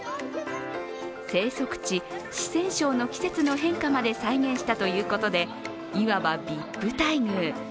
生息地・四川省の季節の変化まで再現したということで言わばＶＩＰ待遇。